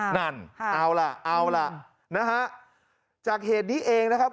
นั่นเอาล่ะเอาล่ะนะฮะจากเหตุนี้เองนะครับ